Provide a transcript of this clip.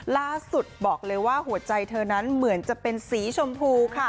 ล่าสุดบอกเลยว่าหัวใจเธอนั้นเหมือนจะเป็นสีชมพูค่ะ